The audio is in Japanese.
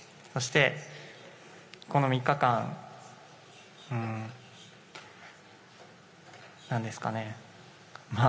そして、この３日間何ですかね